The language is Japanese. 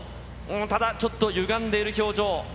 ただ、ちょっとゆがんでいる表情。